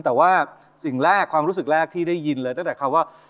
แต่ว่าสิ่งแรกความรู้สึกแรกที่ได้ยินเลยตั้งแต่คำว่า